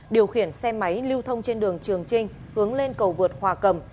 điều khiển xe máy lưu thông trên đường trường trinh hướng lên cầu vượt hòa cầm